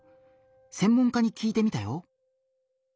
専門家に聞いてみたよ。